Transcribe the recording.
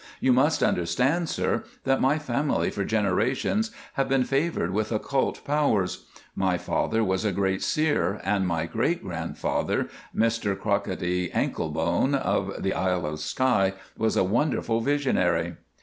You must understand, sir, that my family for generations have been favoured with occult powers. My father was a great seer, and my great grandfather, Mr Concrikketty Anklebone, of the Isle of Skye, was a wonderful visionary."